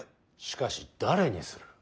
しかし誰にする。